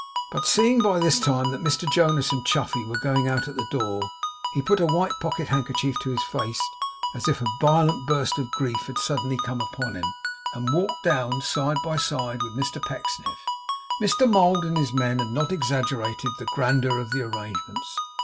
But seeing by this time that Mr Jonas and Chuffey were going out at the door, he put a white pocket handkerchief to his face as if a violent burst of grief had suddenly come upon him, and walked down side by side with Mr Pecksniff. Mr Mould and his men had not exaggerated the grandeur of the arrangements.